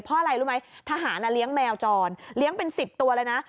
เพราะอะไรรู้ไหมทหารเลี้ยงแมวจรเลี้ยงเป็น๑๐ตัวเลยนะ